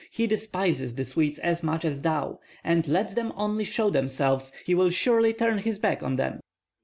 "He despises the Swedes as much as thou; and let them only show themselves, he will surely turn his back on them."